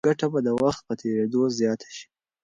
ګټه به د وخت په تېرېدو زیاته شي.